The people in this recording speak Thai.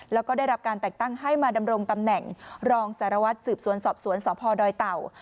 แล้วก็ได้รับการแต่งตั้งให้มาดำรงตำแหน่งรองสารวัตรสืบสวนสอบสวนสพดอยเต่า